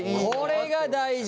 これが大事です。